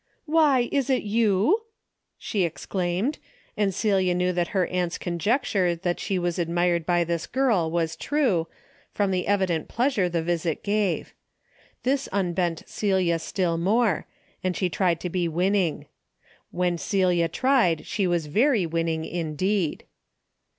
" Why, is it you !" she exclaimed, and Celia knew that her aunt's conjecture that she was admired by this girl was true, from the evi DAILY BATEA^ 223 dent pleasure the visit gave. This unbent Celia still more, and she tried to be winning. When Celia tried she was very winning in deed.